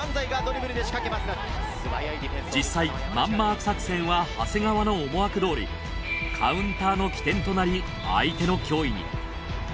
実際マンマーク作戦は長谷川の思惑どおりカウンターの起点となり相手の脅威に。